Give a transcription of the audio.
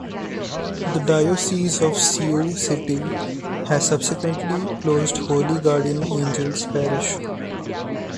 The Diocese of Sioux City has subsequently closed Holy Guardian Angels Parish.